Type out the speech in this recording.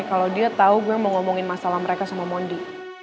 kalau dia tahu gue mau ngomongin masalah mereka sama mondi